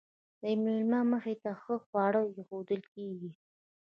د میلمه مخې ته ښه خواړه ایښودل کیږي.